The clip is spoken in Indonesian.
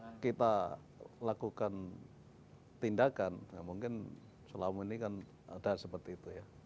kalau kita lakukan tindakan mungkin selama ini kan ada seperti itu ya